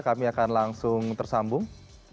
kami akan langsung tersambung